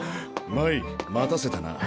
真依待たせたな。